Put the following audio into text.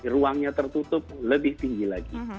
ruangnya tertutup lebih tinggi lagi